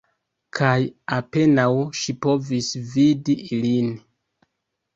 Kaj apenaŭ ŝi povis vidi ilin.